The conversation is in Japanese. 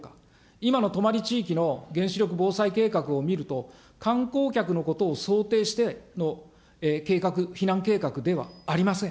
今の泊地域の原子力防災計画を見ると、観光客のことを想定しての計画、避難計画ではありません。